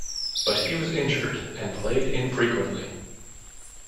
But he was injured and played infrequently.